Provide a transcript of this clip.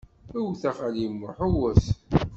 Wwet a xali Muḥ, wwet!